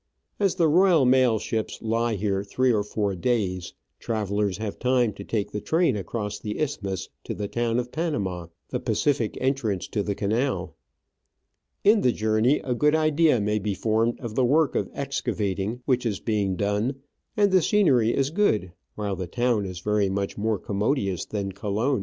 As the Royal Mail ships lie here three or four days, travellers have time to take the train across the isthmus to the town of Panama, the Pacific entrance to the canal. In the journey a good idea may be formed of the work of excavating which is being done ; and the scenery is good, while the town is very much more commodious than Colon.